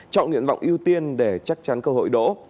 chọn nguyện vọng ưu tiên để chắc chắn cơ hội đỗ